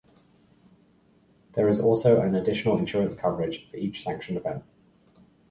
There is also an additional insurance coverage for each sanctioned event.